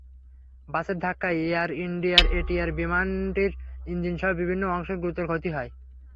বাসের ধাক্কায় এয়ার ইন্ডিয়ার এটিআর বিমানটির ইঞ্জিনসহ বিভিন্ন অংশের গুরুতর ক্ষতি হয়।